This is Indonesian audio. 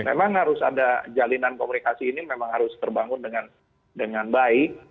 memang harus ada jalinan komunikasi ini memang harus terbangun dengan baik